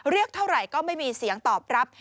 เรียกเท่าไหร่ก็ไม่มีเสียงตอบรับ